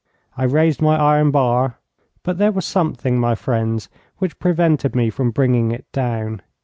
I raised my iron bar, but there was something, my friends, which prevented me from bringing it down.